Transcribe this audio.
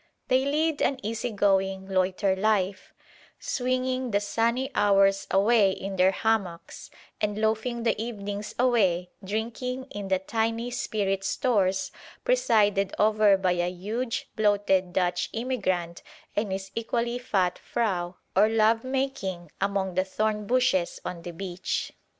They lead an easy going, loiter life; swinging the sunny hours away in their hammocks, and loafing the evenings away drinking in the tiny spirit stores presided over by a huge, bloated Dutch immigrant and his equally fat frau, or love making among the thorn bushes on the beach.